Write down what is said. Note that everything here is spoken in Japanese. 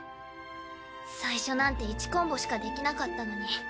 最初なんて１コンボしかできなかったのに。